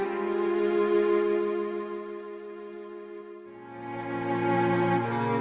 pasti ietsir sekarang